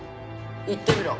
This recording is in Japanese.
言ってみろ。